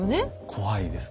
怖いですね。